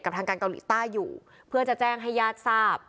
ทางการเกาหลีใต้อยู่เพื่อจะแจ้งให้ญาติทราบ